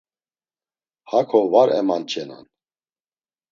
Hako var emanç̌enan.